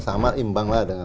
sama imbang lah dengan